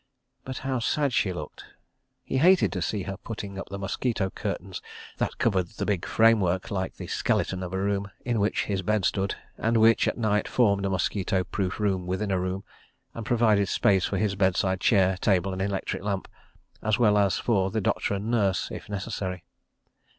... But how sad she looked! ... He hated to see her putting up the mosquito curtains that covered the big frame work, like the skeleton of a room, in which his bed stood, and which, at night, formed a mosquito proof room within a room, and provided space for his bedside chair, table and electric lamp, as well as for the doctor and nurse, if necessary.